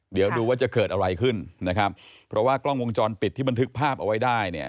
เดี๋ยวดูว่าจะเกิดอะไรขึ้นนะครับเพราะว่ากล้องวงจรปิดที่บันทึกภาพเอาไว้ได้เนี่ย